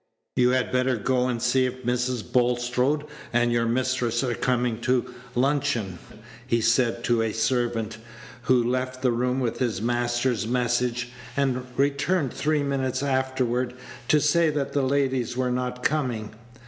"You had better go and see if Mrs. Bulstrode and your mistress are coming to luncheon," he said to a servant, who left the room with his master's message, and returned three minutes afterward to say that the ladies were not coming.